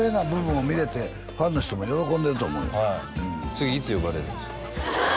次いつ呼ばれるんですか？